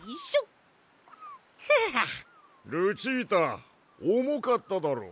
ルチータおもかっただろう？